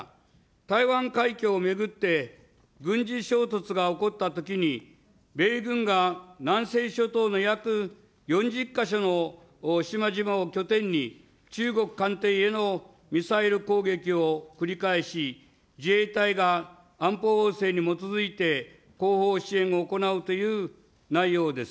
台湾海峡を巡って、軍事衝突が起こったときに、米軍が南西諸島の約４０か所の島々を拠点に、中国艦艇へのミサイル攻撃を繰り返し、自衛隊が安保法制に基づいて、後方支援を行うという内容です。